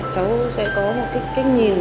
cháu sẽ có một cách nhìn